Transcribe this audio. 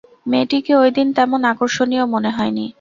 মেয়েটিকে ঐদিন তেমন আকর্ষণীয় মনে হয় নি।